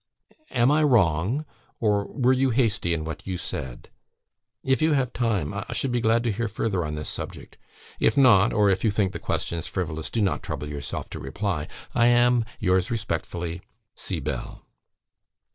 "Am I wrong or, were you hasty in what you said? If you have time, I should be glad to hear further on this subject; if not, or if you think the questions frivolous, do not trouble yourself to reply. I am, yours respectfully, C. BELL."